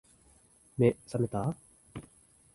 目、さめた？